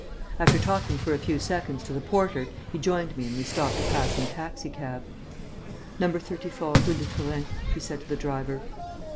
After talking for a few seconds to the porter, he joined me and we stopped a passing taxi cab: "No. 34 Rue de Turin," he said to the driver.